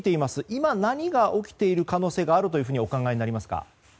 今、何が起きている可能性があるとお考えになりますか。